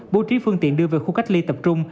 bố trí phương tiện đưa về khu cách ly tập trung